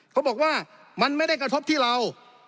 เขาบอกว่ามันไม่ได้กระทบที่เรา